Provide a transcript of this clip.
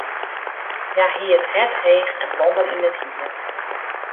Hja hie it hert heech en blommen yn it hier.